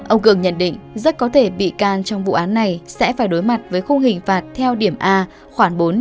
ông cường nhận định rất có thể bị can trong vụ án này sẽ phải đối mặt với khung hình phạt theo điểm a khoảng bốn